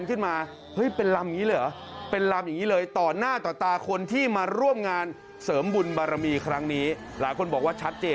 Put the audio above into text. ขำจำไม่ได้แล้ว